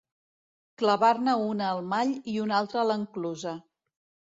Clavar-ne una al mall i una altra a l'enclusa.